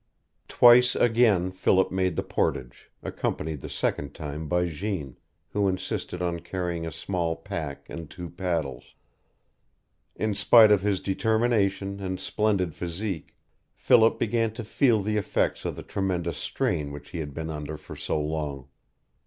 Twice again Philip made the portage, accompanied the second time by Jeanne, who insisted on carrying a small pack and two paddles. In spite of his determination and splendid physique, Philip began to feel the effects of the tremendous strain which he had been under for so long.